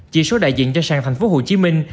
chỉ số đại diện cho sàng thành phố hồ chí minh